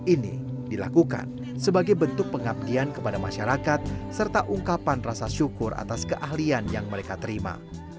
ini dilakukan sebagai bentuk pengabdian kepada masyarakat serta ungkapan rasa syukur atas keahlian yang mereka terima